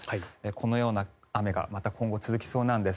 このような雨がまた今後続きそうなんです。